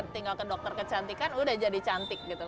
tinggal ke dokter kecantikan udah jadi cantik gitu